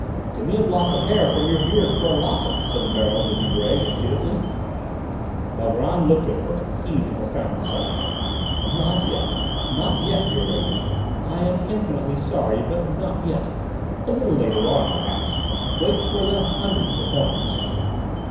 "Give me a lock of hair from your beard for a locket," said the Baronne de Vibray impudently. Valgrand looked at her, and heaved a profound sigh. "Not yet, not yet, dear lady: I am infinitely sorry, but not yet: a little later on, perhaps; wait for the hundredth performance."